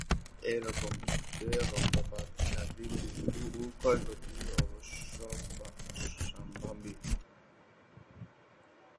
এ রকম যুদ্ধে রক্তপাত, একাধিক মৃত্যু ও ক্ষয়ক্ষতি অবশ্যম্ভাবী।